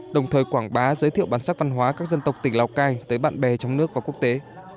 đồng thời quảng bá giới thiệu bản sắc văn hóa các dân tộc tỉnh lào cai tới bạn bè trong nước và quốc tế